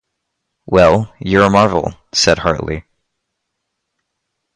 "Well, you're a marvel," said Hartley.